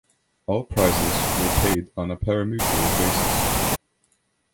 All prizes were paid on a parimutuel basis.